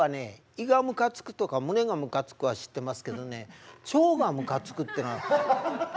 胃がむかつくとか胸がむかつくは知ってますけどね「ちょう」がむかつくってのは。